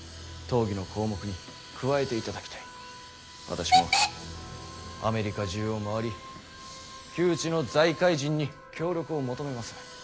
私もアメリカ中を回り旧知の財界人に協力を求めます。